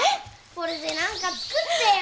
これで何か作ってよ。